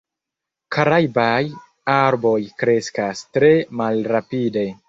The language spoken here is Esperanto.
Karajbaj arboj kreskas tre malrapide.